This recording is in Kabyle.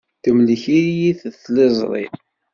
Temlek-iyi tliẓri.